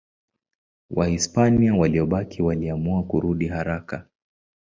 Wahispania waliobaki waliamua kurudi haraka.